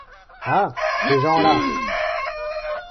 Hein! ces gens-là !